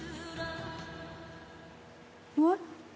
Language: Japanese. うわっ！